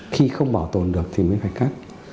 khi không bảo tồn được thì mới phải cắt